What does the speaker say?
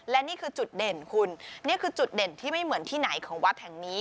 และนี่คือจุดเด่นคุณนี่คือจุดเด่นที่ไม่เหมือนที่ไหนของวัดแห่งนี้